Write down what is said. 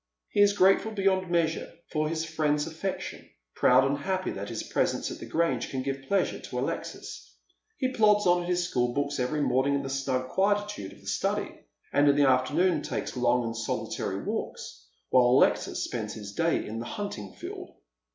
He is grateful beyond measure for his friend's afEection, proud and happy that his presence at the Grange can give pleasure to Alexis. He plods on at his schopl books every morning in the snug quietude of the study, and in the afternoon takes long and solitary walks, while Alexis spends his day in the hunting field.